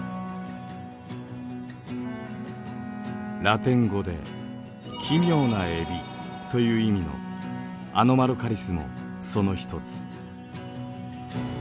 ラテン語で「奇妙なエビ」という意味のアノマロカリスもその一つ。